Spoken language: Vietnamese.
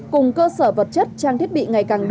cùng cơ sở vật chất trang thiết bị ngày càng được